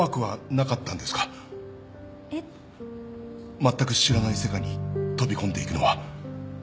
まったく知らない世界に飛び込んでいくのは。